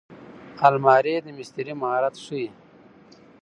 الماري د مستري مهارت ښيي